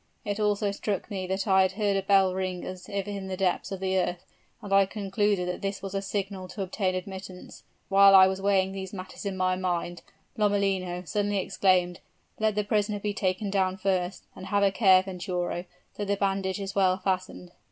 It also struck me that I heard a bell ring as if in the depths of the earth, and I concluded that this was a signal to obtain admittance. While I was weighing these matters in my mind, Lomellino suddenly exclaimed, 'Let the prisoner be taken down first; and have a care, Venturo, that the bandage is well fastened.'